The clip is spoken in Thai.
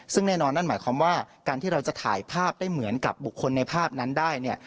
ซึ่งแน่นอนนั่นหมายความว่าการที่เราจะถ่ายภาพได้เหมือนกับบุคคลในภาพนั้นได้เนี่ย